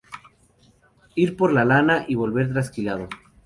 Ir por lana y volver trasquilado